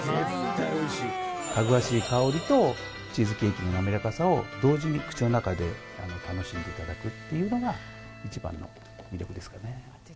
芳しい香りとチーズケーキのなめらかさを同時に口の中で楽しんでいただくっていうのが一番の魅力ですかね。